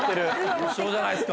優勝じゃないですか。